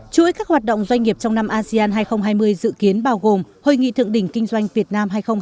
chuỗi các hoạt động doanh nghiệp trong năm asean hai nghìn hai mươi dự kiến bao gồm hội nghị thượng đỉnh kinh doanh việt nam hai nghìn hai mươi